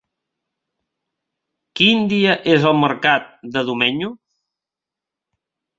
Quin dia és el mercat de Domenyo?